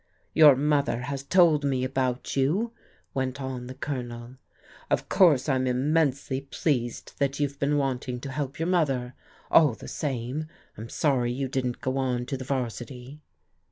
"Your mother has told me about you," went on the Colonel. " Of course I'm immensely pleased that you've been wanting to help your mother. All the same, I'm sorry you didn't go on to the 'Varsity."